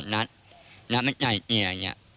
นัดมันใหญ่เหนียวอย่างเงี้ย